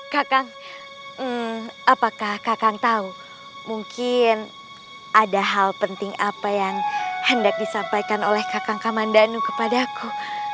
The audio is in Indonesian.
kakang apakah kakang tahu mungkin ada hal penting apa yang hendak disampaikan oleh kakang kamandanu kepada aku